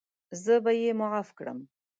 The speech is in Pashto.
زه به یې معاف کړم.